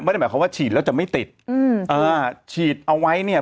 ไม่ได้หมายความว่าฉีดแล้วจะไม่ติดอืมอ่าฉีดเอาไว้เนี่ย